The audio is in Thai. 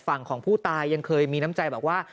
ฝั่งของผู้ตายยังเคยมีน้ำใจบอกว่า